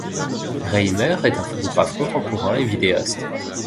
Reimer est un photographe contemporain et vidéaste.